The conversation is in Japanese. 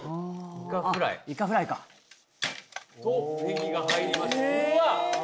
いかフライとネギが入りました